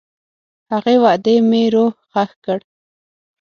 هغې وعدې مې روح ښخ کړ.